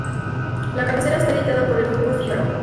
La cabecera está editada por el grupo Figaro.